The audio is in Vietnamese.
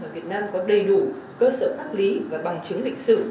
việt nam có đầy đủ cơ sở pháp lý và bằng chứng lịch sự